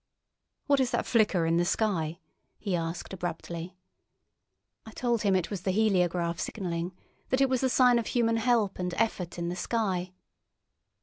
"What is that flicker in the sky?" he asked abruptly. I told him it was the heliograph signalling—that it was the sign of human help and effort in the sky.